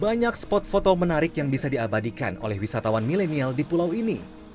banyak spot foto menarik yang bisa diabadikan oleh wisatawan milenial di pulau ini